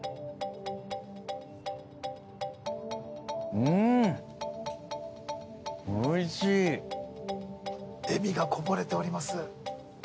うんおいしい笑みがこぼれております